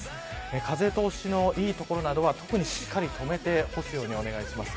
風通しのいい所は特にしっかりとめて干すようにお願いします。